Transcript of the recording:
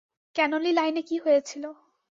ক্যানোলি লাইনে কী হয়েছিল?